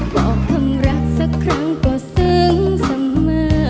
บอกความรักสักครั้งก็ซึ้งเสมอ